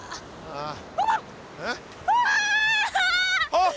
あっ！